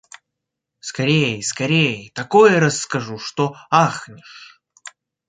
Скорей, скорей, такое расскажу, что ахнешь!